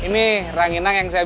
baru satu dus diantar cecep